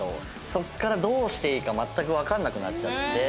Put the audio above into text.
そこからどうしていいか全くわかんなくなっちゃって。